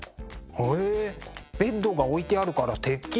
へえベッドが置いてあるからてっきり。